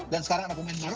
dan sekarang ada pemain baru